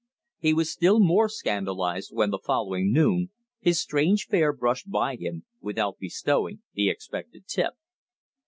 He was still more scandalized when, the following noon, his strange fare brushed by him without bestowing the expected tip.